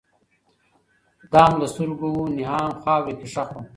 دام له سترګو وو نیهام خاورو کي ښخ وو